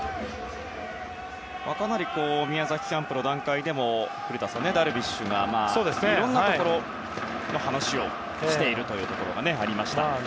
かなり宮崎キャンプの段階でも古田さん、ダルビッシュがいろんなところで話をしていることがありました。